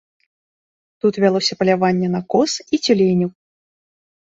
Тут вялося паляванне на коз і цюленяў.